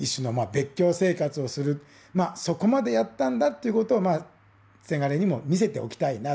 まあそこまでやったんだっていうことをせがれにも見せておきたいな。